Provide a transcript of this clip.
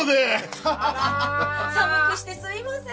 あら！寒くしてすいません。